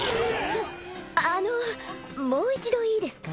あのもう一度いいですか？